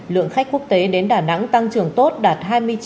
lượng khách quốc tế đến đà nẵng tăng trưởng tốt đạt hai mươi chín một mươi năm